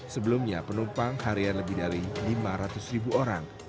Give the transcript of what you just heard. sebelumnya penumpang harian lebih dari lima ratus ribu orang